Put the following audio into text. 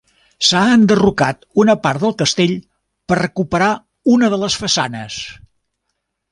S'ha enderrocat una part del Castell per recuperar una de les façanes.